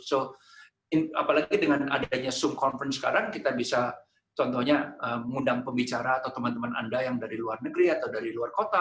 so apalagi dengan adanya zoom conference sekarang kita bisa contohnya mengundang pembicara atau teman teman anda yang dari luar negeri atau dari luar kota